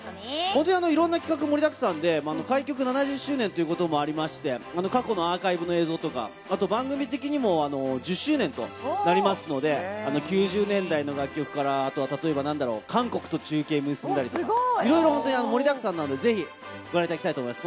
いろんな企画盛りだくさんで、開局７０周年ということもありまして、過去のアーカイブの映像とか、番組的にも１０周年となりますので、９０年代の楽曲から韓国と中継を結んだりとか、いろいろ盛りだくさんなので、ぜひご覧いただきたいと思います。